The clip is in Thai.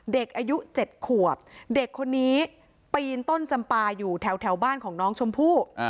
เด็กอายุ๗ขวบเด็กคนนี้ปีนต้นจำปลาอยู่แถวบ้านของน้องชมพู่